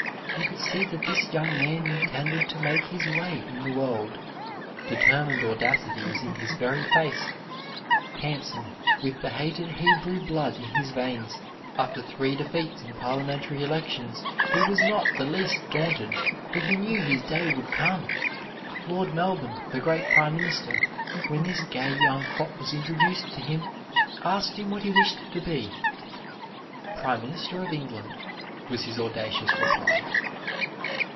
You could see that this young man intended to make his way in the world. Determined audacity was in his very face. Handsome, with the hated Hebrew blood in his veins, after three defeats in parliamentary elections he was not the least daunted, for he knew his day would come. Lord Melbourne, the great Prime Minister, when this gay young fop was introduced to him, asked him what he wished to be. "Prime Minister of England," was his audacious reply.